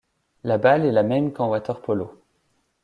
La balle est la même qu'en water-polo.